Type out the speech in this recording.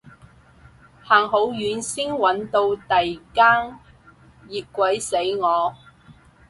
行好遠先搵到第間，熱鬼死我